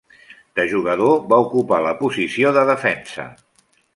De jugador va ocupar la posició de defensa.